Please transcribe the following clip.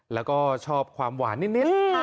แล้วก็ชอบความหวานนิด